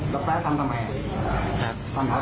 แล้วเราครอบครวงฟ์